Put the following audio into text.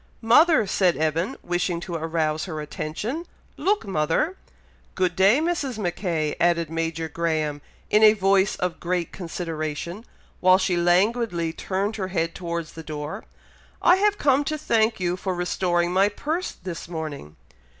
"Mother!" said Evan, wishing to arouse her attention. "Look, mother!" "Good day, Mrs. Mackay," added Major Graham, in a voice of great consideration, while she languidly turned her head towards the door. "I have come to thank you for restoring my purse this morning."